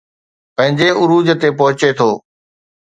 پنهنجي عروج تي پهچي ٿو